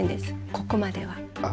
ここまでは。